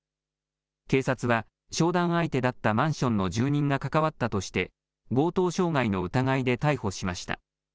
警察は、商談相手だったマンションの住人が関わったとして、強盗傷害の疑いで逮捕しました。